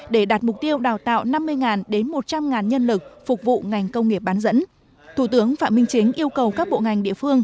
để đạt mục tiêu đào tạo năm mươi đến một trăm linh nhân lực phục vụ ngành công nghiệp bán dẫn